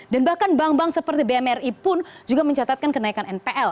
bahkan bank bank seperti bmri pun juga mencatatkan kenaikan npl